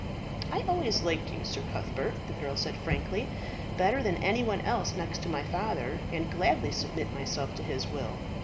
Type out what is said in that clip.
"I always liked you, Sir Cuthbert," the girl said frankly, "better than any one else next to my father, and gladly submit myself to his will.